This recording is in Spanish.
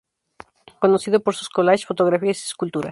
Conocido por sus collages, fotografías y esculturas.